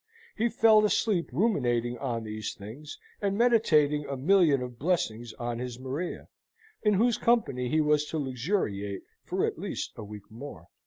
He fell asleep ruminating on these things, and meditating a million of blessings on his Maria, in whose company he was to luxuriate at least for a week more.